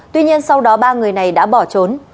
tuy nhiên sau đó ba người này đã bỏ trốn